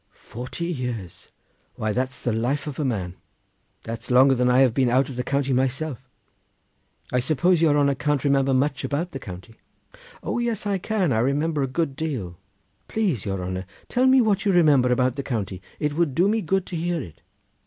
"Forty years! why that's the life of a man. That's longer than I have been out of the county myself. I suppose your honour can't remember much about the county." "O yes I can, I remember a good deal." "Please your honour tell me what you remember about the county. It would do me good to hear it."